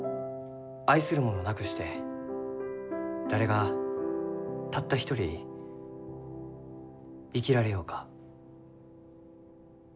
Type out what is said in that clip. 「愛する者なくして誰がたった一人生きられようか？」。